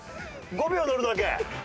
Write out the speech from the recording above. ５秒乗るだけ！